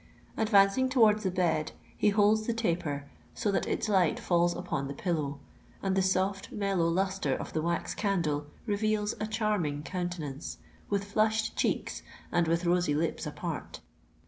Advancing towards the bed, he holds the taper so that its light falls upon the pillow; and the soft, mellow lustre of the wax candle reveals a charming countenance, with flushed cheeks and with rosy lips apart.